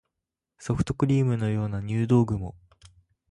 ソフトクリームのような入道雲